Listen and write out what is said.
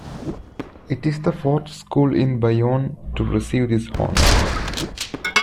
It is the fourth school in Bayonne to receive this honor.